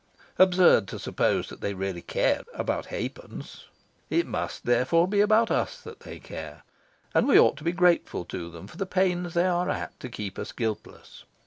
Absurd to suppose they really care about halfpence. It must, therefore, be about us that they care; and we ought to be grateful to them for the pains they are at to keep us guiltless.